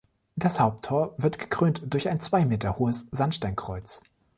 Das Haupttor wird gekrönt durch ein zwei Meter hohes Sandsteinkreuz.